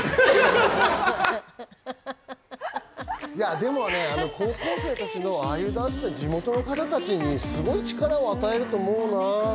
でも高校生たちのああいうダンス、地元の方たちにすごい力を与えると思うな。